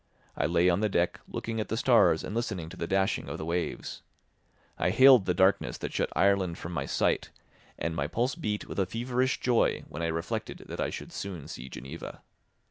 I lay on the deck looking at the stars and listening to the dashing of the waves. I hailed the darkness that shut Ireland from my sight, and my pulse beat with a feverish joy when I reflected that I should soon see Geneva.